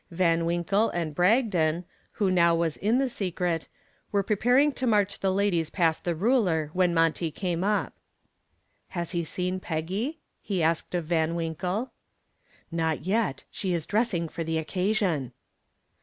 Van Winkle and Bragdon, who now was in the secret, were preparing to march the ladies past the ruler when Monty came up. "Has he seen Peggy?" he asked of Van Winkle. "Not yet. She is dressing for the occasion."